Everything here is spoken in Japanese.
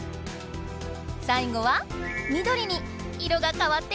さいごは緑に色が変わっていったね。